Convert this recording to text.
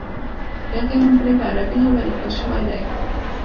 د هغه نوم پرې په عربي ژبه لیکل شوی دی.